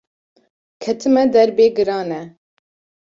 Ketime derbê giran e